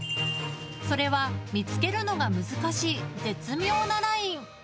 それは、見つけるのが難しい絶妙なライン。